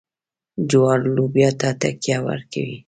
جوار لوبیا ته تکیه ورکوي.